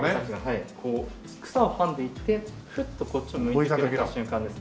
草をはんでいてふっとこっちを向いてくれた瞬間ですね。